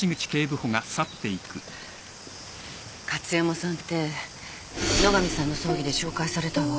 加津山さんて野上さんの葬儀で紹介されたわ。